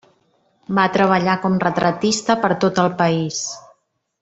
Va treballar com retratista per tot el país.